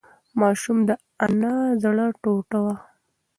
ماشوم د انا د زړه ټوټه وه.